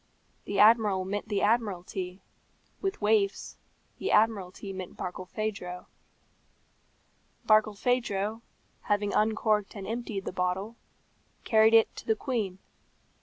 The Admiral meant the Admiralty; with waifs, the Admiralty meant Barkilphedro. Barkilphedro, having uncorked and emptied the bottle, carried it to the queen.